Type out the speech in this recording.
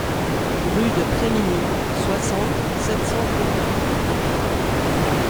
Rue de Prés Miny, soixante, sept cents Pontpoint